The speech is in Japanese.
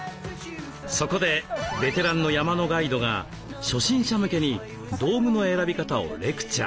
そこでベテランの山のガイドが初心者向けに道具の選び方をレクチャー。